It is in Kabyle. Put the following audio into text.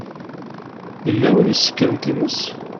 Yella win i isekren times.